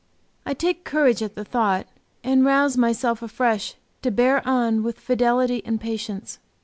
I take courage at the thought and rouse myself afresh, to bear on with fidelity and patience.